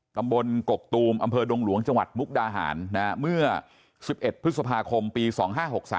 ตำบลกกตูมอำเภอดงหลวงจังหวัดมุกดาหารเมื่อ๑๑พฤษภาคมปี๒๕๖๓